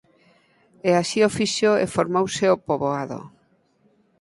E así o fixo e formouse o poboado.